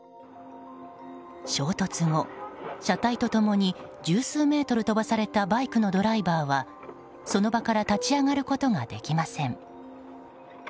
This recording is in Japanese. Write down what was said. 衝突後、車体と共に十数メートル飛ばされたバイクのドライバーはその場から立ち上がることができません。